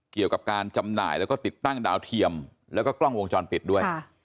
เกี่ยวกับการจำหน่ายแล้วก็ติดตั้งดาวเทียมแล้วก็กล้องวงจรปิดด้วย